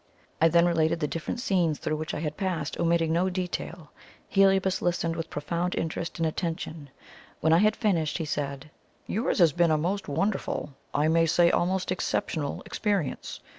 I then related the different scenes through which I had passed, omitting no detail. Heliobas listened with profound interest and attention. When I had finished, he said: "Yours has been a most wonderful, I may say almost exceptional, experience.